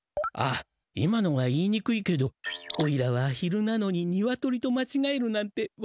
あ今のは言いにくいけど「おいらはアヒルなのにニワトリとまちがえるなんて